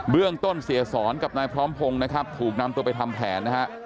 เรื่องต้นเสียสอนกับนายพร้อมพงศ์นะครับถูกนำตัวไปทำแผนนะฮะ